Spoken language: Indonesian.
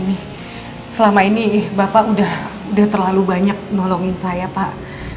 nih selama ini bapak udah terlalu banyak nolongin saya pak